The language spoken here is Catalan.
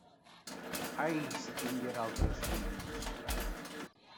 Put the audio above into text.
Ai, si tinguera altres fills...!